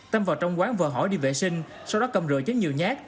tâm vào trong quán vừa hỏi đi vệ sinh sau đó cầm rửa chén nhiều nhát